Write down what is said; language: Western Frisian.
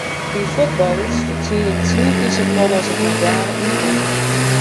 Dy fuotballers fertsjinje tsien kear safolle as it modale ynkommen.